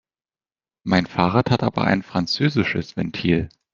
Mein Fahrrad hat aber ein französisches Ventil.